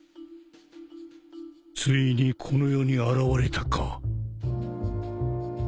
ついにこの世に現れたか。